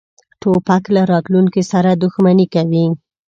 توپک له راتلونکې سره دښمني کوي.